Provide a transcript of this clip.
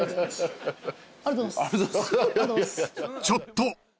［ちょっと！